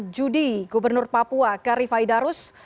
judi gubernur papua karifai darus